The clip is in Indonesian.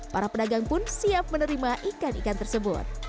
para pedagang pun siap menerima ikan ikan tersebut